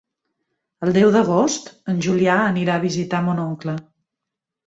El deu d'agost en Julià anirà a visitar mon oncle.